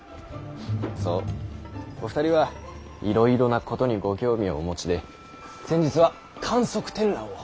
そうお二人はいろいろなことにご興味をお持ちで先日は観測天覧を。